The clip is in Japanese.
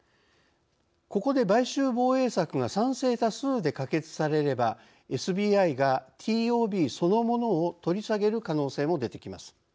ここで買収防衛策が賛成多数で可決されればＳＢＩがＴＯＢそのものを取り下げる可能性も出てきます。